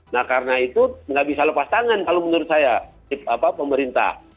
nah karena itu nggak bisa lepas tangan kalau menurut saya pemerintah